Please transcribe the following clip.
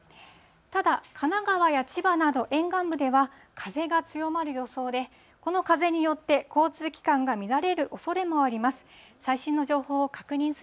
ただ、神奈川や千葉など沿岸部では、風が強まる予想で、この風によって交通機関が乱れるおそれもあります。